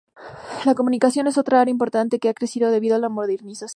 La comunicación es otra área importante que ha crecido debido a la modernización.